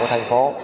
của thành phố